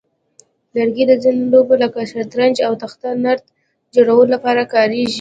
لرګي د ځینو لوبو لکه شطرنج او تخته نرد جوړولو لپاره کارېږي.